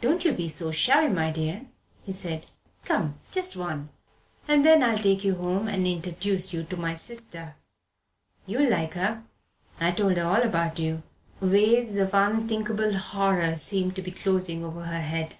"Don't you be so shy, my dear," he said. "Come just one! And then I'll take you home and interduce you to my sister. You'll like her. I've told her all about you." Waves of unthinkable horror seemed to be closing over her head.